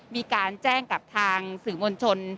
มีการแจ้งกับทางสื่อมวลชน